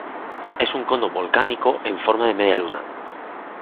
Es un cono volcánico en forma de media luna.